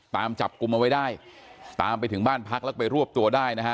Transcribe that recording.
ตามจับกลุ่มเอาไว้ได้ตามไปถึงบ้านพักแล้วไปรวบตัวได้นะฮะ